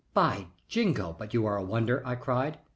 "By Jingo! but you are a wonder," I cried.